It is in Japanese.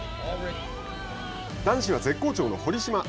男子は絶好調の堀島。